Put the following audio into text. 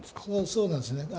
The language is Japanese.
そうなんですね。